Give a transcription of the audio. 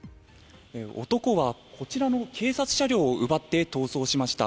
男はこちらの警察車両を奪って逃走しました。